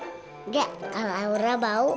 engga kak laura bau